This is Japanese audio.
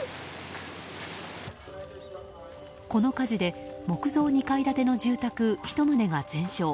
この火事で木造２階建ての住宅１棟が全焼。